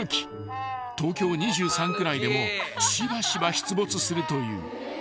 ［東京２３区内でもしばしば出没するという］